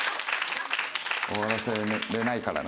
終わらせられないからな。